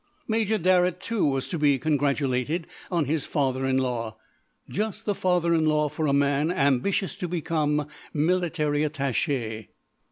Major Darrett, too, was to be congratulated on his father in law. Just the father in law for a man ambitious to become military attache.